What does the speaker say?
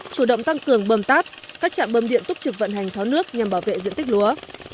chủ động tăng cường bơm táp các trạm bơm điện túc trực vận hành tháo nước nhằm bảo vệ diện tích lúa